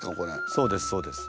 そうですそうです。